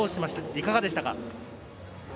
いかがでしたか。